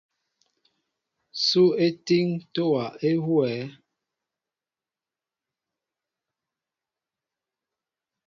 Sú étííŋ ntówa huwɛέ ?